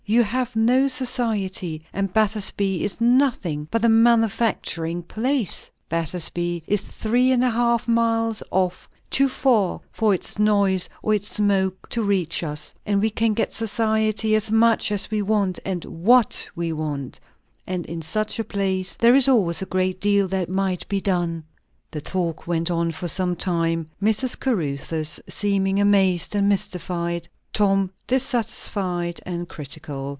You have no society, and Battersby is nothing but a manufacturing place " "Battersby is three and a half miles off; too far for its noise or its smoke to reach us; and we can get society, as much as we want, and what we want; and in such a place there is always a great deal that might be done." The talk went on for some time; Mrs. Caruthers seeming amazed and mystified, Tom dissatisfied and critical.